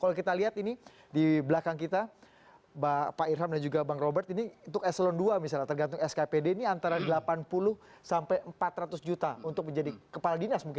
kalau kita lihat ini di belakang kita pak irham dan juga bang robert ini untuk eselon ii misalnya tergantung skpd ini antara delapan puluh sampai empat ratus juta untuk menjadi kepala dinas mungkin